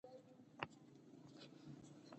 بادي انرژي د افغان تاریخ په کتابونو کې ذکر شوی دي.